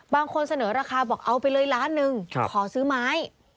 บางคนเสนอราคาบอกเอาไปเลยล้านหนึ่งขอซื้อไม้